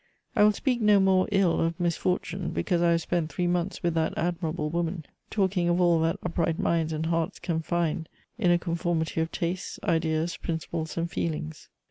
I will speak no more ill of misfortune, because I have spent three months with that admirable woman, talking of all that upright minds and hearts can find in a conformity of tastes, ideas, principles and feelings.